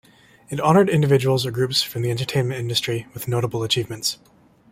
It honoured individuals or groups from the entertainment industry with notable achievements.